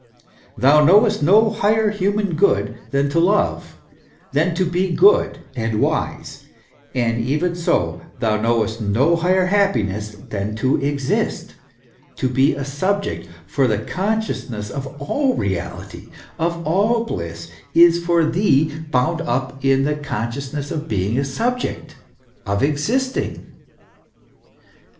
Thou knowest no higher human good, than to love, than to be good and wise ; and even so thou knowest no higher happiness than to exist, to be a subject; for the consciousness of all reality, of all bliss, is for thee bound up in the consciousness of being a subject, of existing.